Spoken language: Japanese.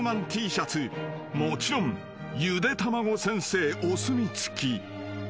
［もちろんゆでたまご先生お墨付き］